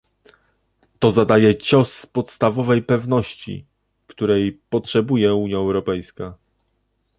To zadaje cios podstawowej pewności, której potrzebuje Unia Europejska